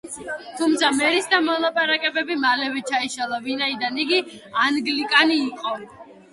თუმცა, მერისთან მოლაპარაკებები მალევე ჩაიშალა, ვინაიდან იგი ანგლიკანი იყო.